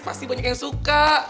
pasti banyak yang suka